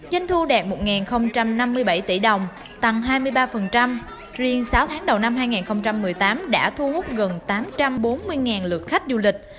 doanh thu đạt một năm mươi bảy tỷ đồng tăng hai mươi ba riêng sáu tháng đầu năm hai nghìn một mươi tám đã thu hút gần tám trăm bốn mươi lượt khách du lịch